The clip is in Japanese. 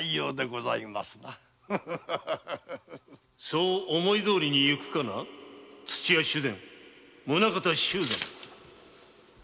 ・そう思いどおりにゆくかな土屋主膳宗像周山。